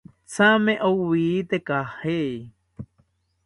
Thame owite caje